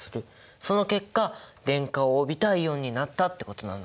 その結果電荷を帯びたイオンになったってことなんだね！